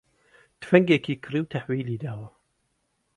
تفەنگێکی کڕی و تەحویلی داوە